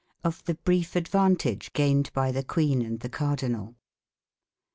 Of the Brief Advantage gained by the Queen and the Cardinal.